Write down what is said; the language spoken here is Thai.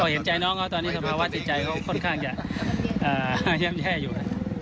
เห็นใจน้องเขาตอนนี้สมมติว่าติดใจเขาค่อนข้างจะแย่อยู่